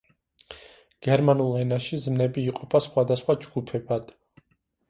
გერმანულ ენაში ზმნები იყოფა სხვადასხვა ჯგუფებად.